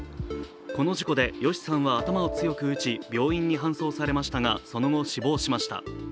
この事故でＹＯＳＨＩさんは頭を強く打ち、病院に搬送されましたがその後、死亡しました。